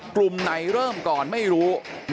กลุ่มไหนเริ่มก่อนไม่รู้